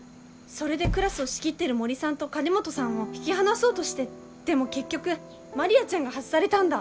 それでクラスを仕切ってる森さんと金本さんを引き離そうとしてでも結局マリアちゃんが外されたんだ。